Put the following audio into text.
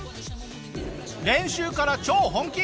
練習から超本気！